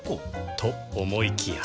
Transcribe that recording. と思いきや